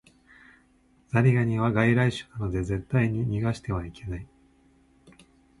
ザリガニは外来種なので絶対に逃してはいけない